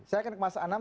saya akan ke mas anam